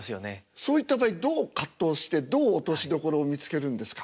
そういった場合どう葛藤してどう落としどころを見つけるんですか？